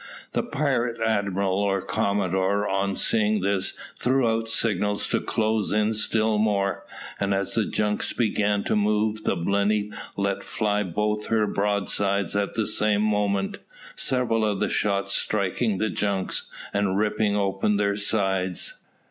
The pirate admiral or commodore, on seeing this, threw out signals to close in still more, and as the junks began to move the Blenny let fly both her broadsides at the same moment, several of the shot striking the junks, and ripping open their sides.